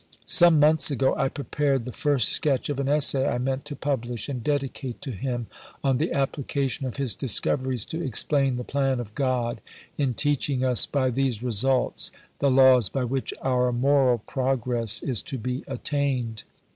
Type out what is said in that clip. Some months ago I prepared the first sketch of an Essay I meant to publish and dedicate to him on the application of his discoveries to explain the Plan of God in teaching us by these results the laws by which our Moral Progress is to be attained.